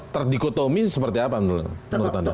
terdikotomi seperti apa menurut anda